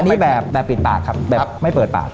อันนี้แบบปิดปากครับแบบไม่เปิดปาก